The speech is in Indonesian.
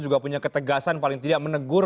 juga punya ketegasan paling tidak menegur